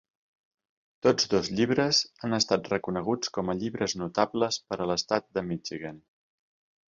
Tots dos llibres han estat reconeguts com a llibres notables per a l'estat de Michigan.